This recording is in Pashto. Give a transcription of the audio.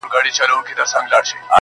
نن د پنجابي او منظور جان حماسه ولیکه!!